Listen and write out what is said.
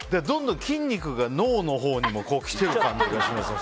筋肉が脳のほうにもきてる感じがしますね